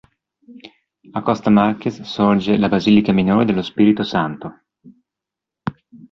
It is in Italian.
A Costa Marques sorge la basilica minore dello Spirito Santo.